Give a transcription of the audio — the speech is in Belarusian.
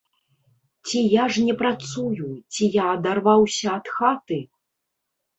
Ці я ж не працую, ці я адарваўся ад хаты?